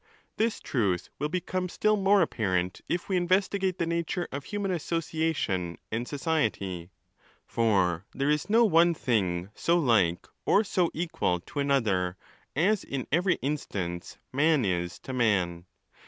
'This truth will become still more apparent if we investigate the nature of human association and society. For there is no one thing so like or so equal. to an other, as in every instance man is to man.